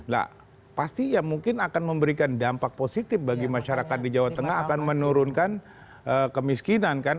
nah pasti ya mungkin akan memberikan dampak positif bagi masyarakat di jawa tengah akan menurunkan kemiskinan kan